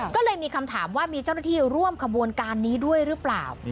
ก็เลยมีคำถามว่ามีเจ้าหน้าที่ร่วมขบวนการนี้ด้วยหรือเปล่า